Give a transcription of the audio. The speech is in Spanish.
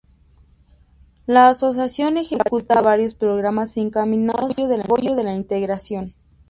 La Asociación ejecuta varios programas encaminados al apoyo de la Integración.